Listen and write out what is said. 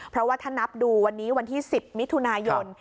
เพราะว่าถ้านับดูวันนี้วันที่๑๐มิถุนายน